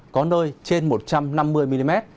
có nơi trên một trăm năm mươi mm